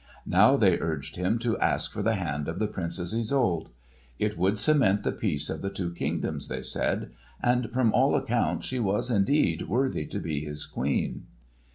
Now they urged him to ask for the hand of the Princess Isolde. It would cement the peace of the two kingdoms, they said, and from all accounts she was indeed worthy to be his Queen.